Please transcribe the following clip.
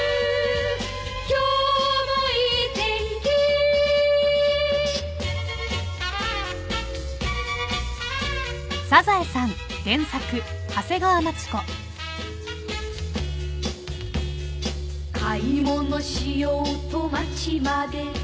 「今日もいい天気」「買い物しようと街まで」